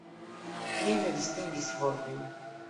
Mi ne distingis vortojn.